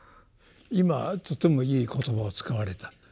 今とてもいい言葉を使われた。